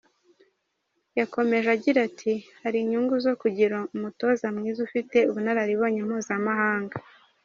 Yakomeje agira ati " Hari inyungu zo kugira umutoza mwiza ufite ubunararibonye mpuzamahanga.